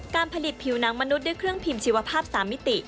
การผลิตผิวหนังมนุษย์ด้วยเครื่องพิมพ์ชีวภาพ๓มิติ